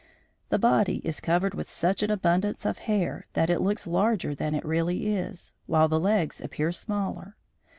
The body is covered with such an abundance of hair that it looks larger than it really is, while the legs appear smaller.